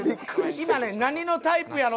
今ね何のタイプやろ。